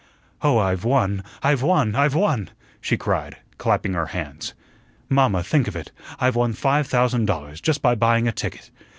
"Oh, I've won, I've won, I've won!" she cried, clapping her hands. "Mamma, think of it. I've won five thousand dollars, just by buying a ticket.